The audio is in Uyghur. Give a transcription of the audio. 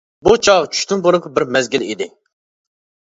بۇ چاغ چۈشتىن بۇرۇنقى بىر مەزگىل ئىدى.